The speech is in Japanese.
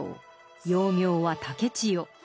幼名は竹千代。